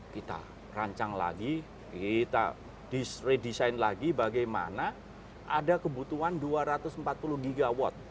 kita rancang lagi kita redesign lagi bagaimana ada kebutuhan dua ratus empat puluh gigawatt